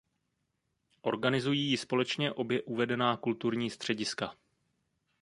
Organizují ji společně obě uvedená kulturní střediska.